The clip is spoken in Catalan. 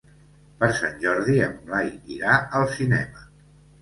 Per Sant Jordi en Blai irà al cinema.